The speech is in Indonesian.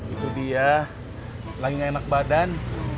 itu dia lagi enak badan